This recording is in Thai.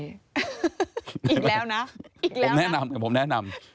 อีกแล้วนะอีกแล้วนะผมแนะนำผมแนะนำ